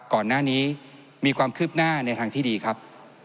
ก่อนหน้านี้มีความคืบหน้าในทางที่ดีครับ